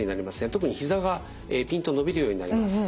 特にひざがピンと伸びるようになります。